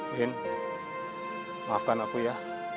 ben maafkan aku ya